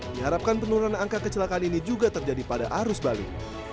diharapkan penurunan angka kecelakaan ini juga terjadi pada arus balik